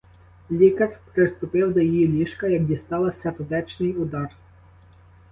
Лікар приступив до її ліжка, як дістала сердечний удар.